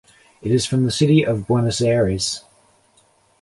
It is from the city of Buenos Aires.